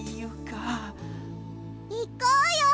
いこうよ！